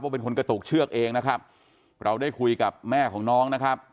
เป็นคนกระตุกเชือกเองนะครับเราได้คุยกับแม่ของน้องนะครับ